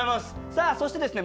さあそしてですね